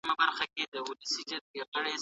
وروستۍ مرحله د اسراف او زیاتوني ده.